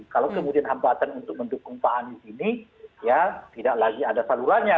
kalau kemudian hambatan untuk mendukung pak anies ini ya tidak lagi ada salurannya